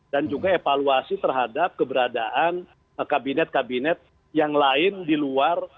dan juga evaluasi terhadap keberadaan kabinet kabinet yang lain di luar